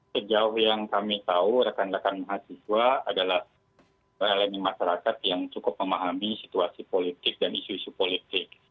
sejauh yang kami tahu rekan rekan mahasiswa adalah elemen masyarakat yang cukup memahami situasi politik dan isu isu politik